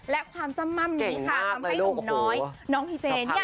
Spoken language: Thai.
และความจำม่ำนี้ค่ะทำให้หนุ่มน้อยน้องพีเจเนี่ย